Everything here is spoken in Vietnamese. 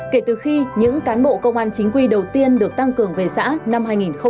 kể từ khi những cán bộ công an chính quy đầu tiên được tăng cường về xã năm hai nghìn một mươi ba